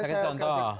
saya kasih contoh